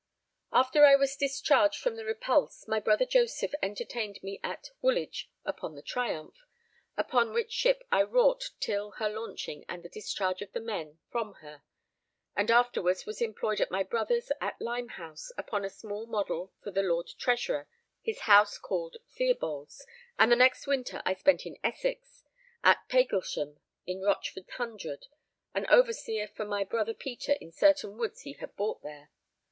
After I was discharged from the Repulse, my brother Joseph entertained me at Woolwich upon the Triumph, upon which ship I wrought till her launching and the discharge of the men from her, and afterwards was employed at my brother's, at Limehouse, upon a small model for the Lord Treasurer his house called Theobalds, and the next winter I spent in Essex, at Paglesham in Rochford Hundred, as overseer for my brother Peter in certain woods he had bought there.